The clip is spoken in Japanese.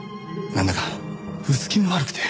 なんだか薄気味悪くて。